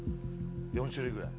４種類ぐらい？